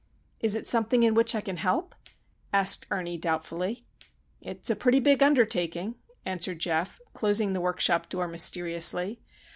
"Is it something in which I can help?" asked Ernie, doubtfully. "It's a pretty big undertaking," answered Geof, closing the workshop door mysteriously.